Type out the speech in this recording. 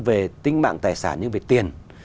về tính mạng tài sản nhưng về tiền